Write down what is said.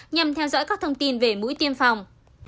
nhằm theo dõi các thông tin về mũi tiêm phòng